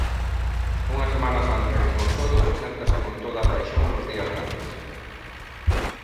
Unha Semana Santa, que con todo, preséntase con toda a Paixón, nos días grandes.